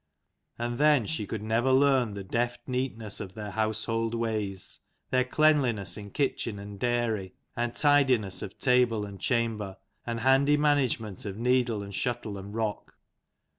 And then she could never learn the deft neatness of their household ways, their cleanli ness in kitchen and diary, and tidiness of table and chamber, and handy management of needle and shuttle and rock.